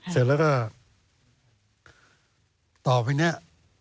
เสร็จแล้วก็ต่อไปเนี่ย